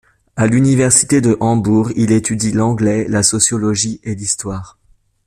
À l'université de Hambourg, il étudie l'anglais, la sociologie et l'histoire.